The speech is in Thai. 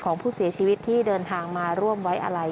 ของผู้เสียชีวิตที่เดินทางมาร่วมไว้อะไร